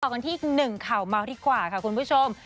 กันที่อีกหนึ่งข่าวเมาส์ดีกว่าค่ะคุณผู้ชม